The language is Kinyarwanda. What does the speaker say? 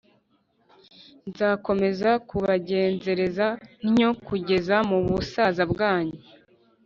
nzakomeza kubagenzereza ntyo kugeza mu busaza bwanyu,